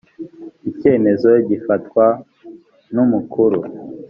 icyemezo gifatwa numukuru .